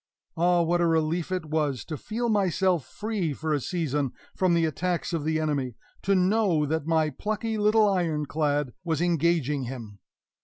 Ah, what a relief it was to feel myself free for a season from the attacks of the enemy to know that my plucky little Iron clad was engaging him!